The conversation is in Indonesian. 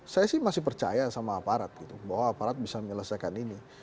saya sih masih percaya sama aparat gitu bahwa aparat bisa menyelesaikan ini